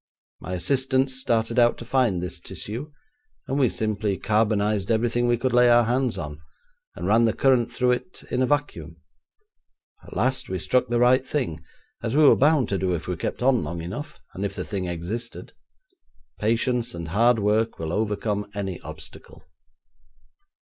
My assistants started out to find this tissue, and we simply carbonised everything we could lay our hands on, and ran the current through it in a vacuum. At last we struck the right thing, as we were bound to do if we kept on long enough, and if the thing existed. Patience and hard work will overcome any obstacle.'